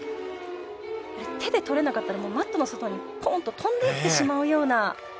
これ手で取れなかったらもうマットの外にポーンと飛んでいってしまうような。